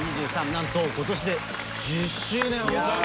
なんと今年で１０周年を迎える。